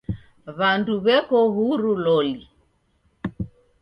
W'and w'eko huru loli?